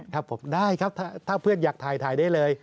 ครับผมได้ครับถ้าเพื่อนอยากถ่ายถ่ายได้เลย